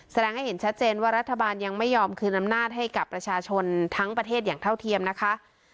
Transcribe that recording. แสดงให้เห็นชัดเจนว่ารัฐบาลยังไม่ยอมคืนอำนาจให้กับประชาชนทั้งประเทศอย่างเท่าเทียมนะคะ